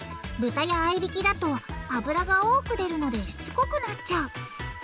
豚や合いびきだと脂が多く出るのでしつこくなっちゃう。